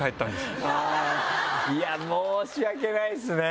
いや申し訳ないですね！